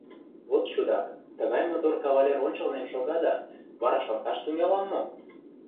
Вот, чудак, тыгай мотор кавалер ончылнем шога да, вара шорташ тӱҥалам мо?